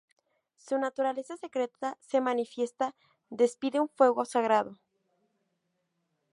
Su naturaleza secreta se manifiesta: despide un fuego sagrado.